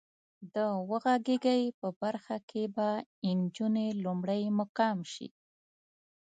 د وغږېږئ برخه کې به انجونې لومړی مقام شي.